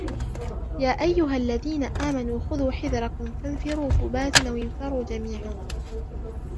يَا أَيُّهَا الَّذِينَ آمَنُوا خُذُوا حِذْرَكُمْ فَانْفِرُوا ثُبَاتٍ أَوِ انْفِرُوا جَمِيعًا